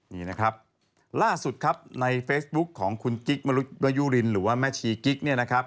นี่นะครับล่าสุดครับในเฟซบุ๊คของคุณกิ๊กมรุษยุรินหรือว่าแม่ชีกิ๊กเนี่ยนะครับ